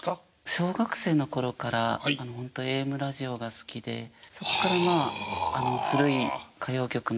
小学生の頃から本当ＡＭラジオが好きでそっからまあ古い歌謡曲も好きになるんですけれど。